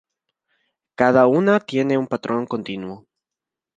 Cada una tiene un patrón continuo.